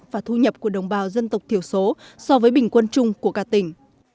và thu nhập của đồng bào dân tộc thiểu số so với bình quân chung của cả tỉnh